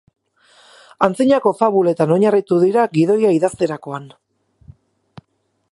Antzinako fabuletan oinarritu dira gidoia idazterakoan.